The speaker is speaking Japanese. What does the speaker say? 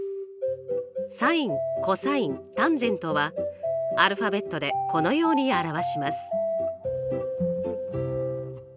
サインコサインタンジェントはアルファベットでこのように表します。